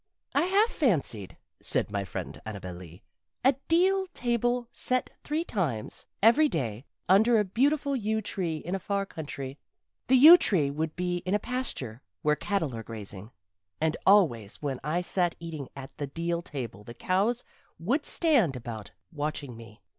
"I have fancied," said my friend Annabel Lee, "a deal table set three times every day under a beautiful yew tree in a far country. The yew tree would be in a pasture where cattle are grazing, and always when I sat eating at the deal table the cows would stand about watching me.